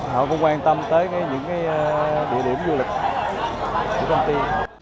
họ cũng quan tâm tới những địa điểm du lịch của công ty